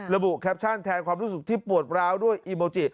ระบุแคปชั่นแทนความรู้สึกที่ปวดร้าวด้วยอีโมจิ